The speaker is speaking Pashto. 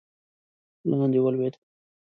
لاندې ولوېد.